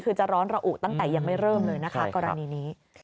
คือจะร้อนระอุตั้งแต่ยังไม่เริ่มเลยนะคะกรณีนี้